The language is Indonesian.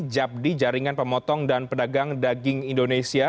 japdi jaringan pemotong dan pedagang daging indonesia